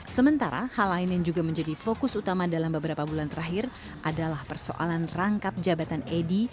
sementara hal lain yang juga menjadi fokus utama dalam beberapa bulan terakhir adalah persoalan rangkap jabatan edi